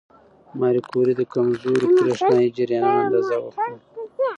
ماري کوري د کمزورو برېښنايي جریانونو اندازه وکړه.